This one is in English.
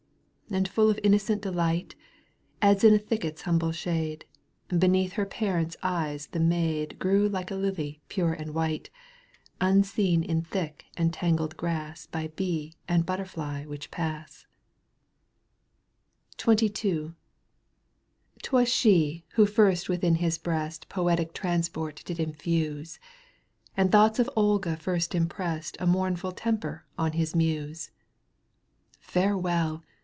^"^ And full of innocent delight, ' As in a thicket's humble shade. Beneath her parents' eyes the maid Grew like a Шу pure and white. Unseen in thick and tangled grass By bee and butterfly which pass. Б Digitized by VjOOQ 1С 50 EUGENE ON^GUINE. canto п. XXII. Twas she who first within his breast Poetic transport did infuse, And thoughts of Olga first impressed A mournful temper on his Muse. Farewell